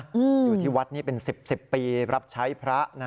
อยู่ที่วัดนี่เป็น๑๐ปีรับใช้พระนะฮะ